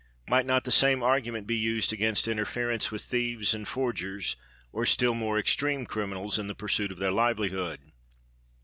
Might not the same argument be used against interference with thieves and forgers or still more extreme criminals in the pursuit of their livelihood?